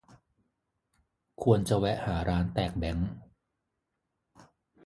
ควรจะแวะหาร้านแตกแบงค์